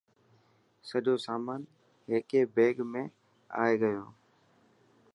سڄو سامان هيڪي بيگ ۾ آي گيو.